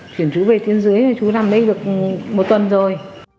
chuyển chú về thiên dưới chú nằm đây được một tuần rồi